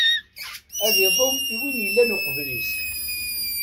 Ad iḍum i win yellan uqbel-is.